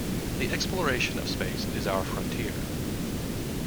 The exploration of space is our frontier.